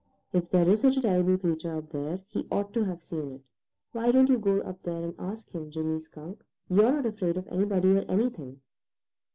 If there is such a terrible creature up there, he ought to have seen it. Why don't you go up there and ask him, Jimmy Skunk? You're not afraid of anybody or anything."